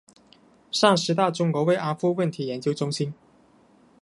上师大中国慰安妇问题研究中心